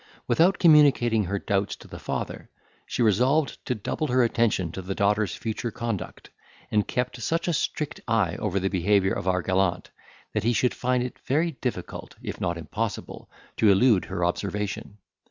Without communicating her doubts to the father, she resolved to double her attention to the daughter's future conduct, and keep such a strict eye over the behaviour of our gallant, that he should find it very difficult, if not impossible, to elude her observation.